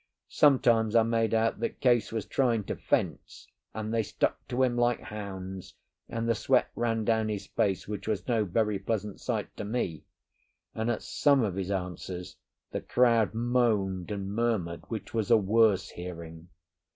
Sometimes I made out that Case was trying to fence, and they stuck to him like hounds, and the sweat ran down his face, which was no very pleasant sight to me, and at some of his answers the crowd moaned and murmured, which was a worse hearing.